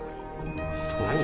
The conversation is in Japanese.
そう？